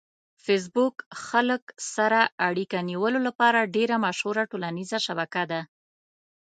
فېسبوک خلک سره اړیکه نیولو لپاره ډېره مشهوره ټولنیزه شبکه ده.